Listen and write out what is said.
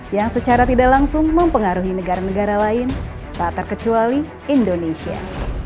yang secara tidak langsung mempengaruhi negara negara lain tak terkecuali indonesia